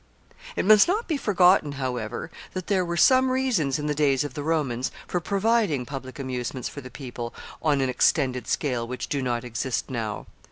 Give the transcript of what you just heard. ] It must not be forgotten, however, that there were some reasons in the days of the Romans for providing public amusements for the people on an extended scale which do not exist now.